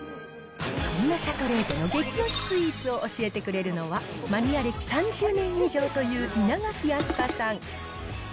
そんなシャトレーゼの激推しスイーツを教えてくれるのは、マニア歴３０年以上という稲垣飛鳥さん。